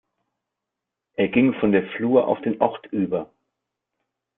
Er ging von der Flur auf den Ort über.